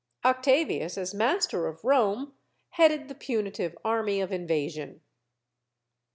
Octavius, as master of Rome, headed the punitive army of invasion.